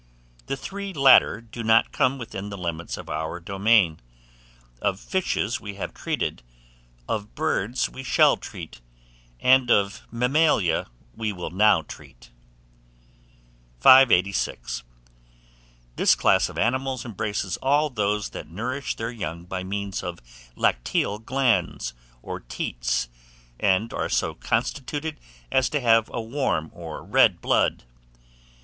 The three latter do not come within the limits of our domain; of fishes we have already treated, of birds we shall treat, and of mammalia we will now treat. 586. THIS CLASS OF ANIMALS embraces all those that nourish their young by means of lacteal glands, or teats, and are so constituted as to have a warm or red blood.